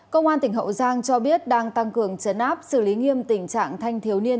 công an tỉnh hậu giang cho biết đang tăng cường chấn áp xử lý nghiêm tình trạng thanh thiếu niên